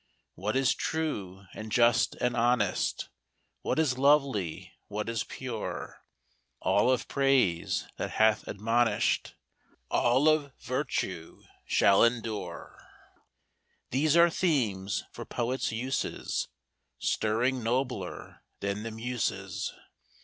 What is true and just and honest, What is lovely, what is pure, — All of praise that hath admonish'd, All of virtue, shall endure, — These are themes for poets' uses, Stirring nobler than the Muses.